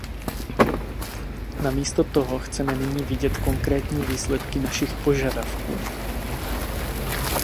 Namísto toho chceme nyní vidět konkrétní výsledky našich požadavků.